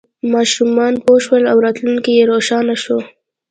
ماشومان پوه شول او راتلونکی یې روښانه شو.